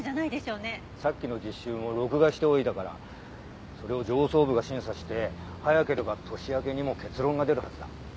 さっきの実習も録画しておいたからそれを上層部が審査して早ければ年明けにも結論が出るはずだ。